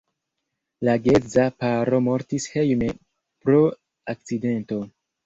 La geedza paro mortis hejme pro akcidento.